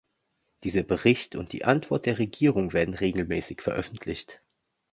Dieser Bericht und die Antwort der Regierung werden regelmäßig veröffentlicht.